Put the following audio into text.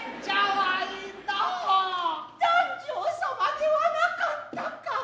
彈正様ではなかったか。